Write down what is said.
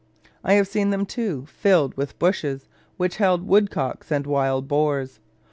I have seen them, too, filled with bushes, which held woodcocks and wild boars.